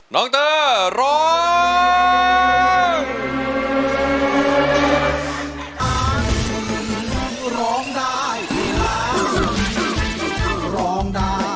น้องเตอร์ร้อง